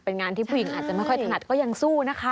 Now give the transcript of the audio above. เป็นงานที่ผู้หญิงอาจจะไม่ค่อยถนัดก็ยังสู้นะคะ